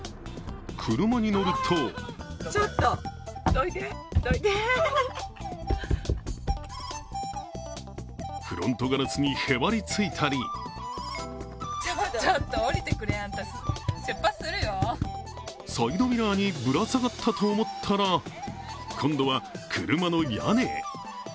車に乗るとフロントガラスにへばりついたりサイドミラーにぶら下がったと思ったら今度は車の屋根へ。